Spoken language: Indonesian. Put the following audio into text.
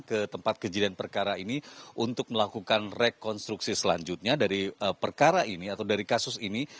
ke tempat kejadian perkara ini untuk melakukan rekonstruksi selanjutnya dari perkara ini atau dari kasus ini